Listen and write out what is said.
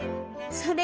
それ！